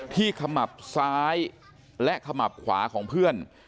ขมับซ้ายและขมับขวาของเพื่อน